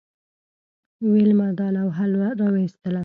ویلما دا لوحه راویستله